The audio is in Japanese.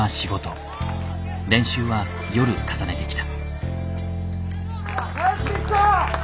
練習は夜重ねてきた。